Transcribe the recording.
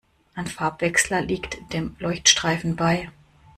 Ein Farbwechsler liegt dem Leuchtstreifen bei.